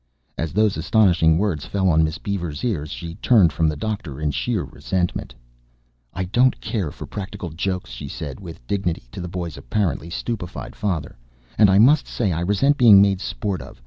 As those astonishing words fell on Miss Beaver's ears, she turned from the doctor in sheer resentment. "I don't care for practical jokes," said she with dignity to the boy's apparently stupefied father, "and I must say I resent being made sport of.